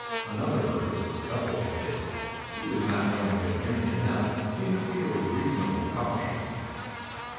Another purpose was coupled with this; he was not going to drink enough to interfere with reasonable caution.